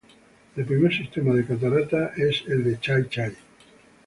El primer sistema de Cataratas es el de Chai-chai.